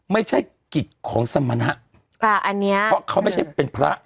ไม่ใช่กฤทธิ์ของสรรมนะค่ะอันเนี่ยเพราะเขาไม่ใช่เป็นพระ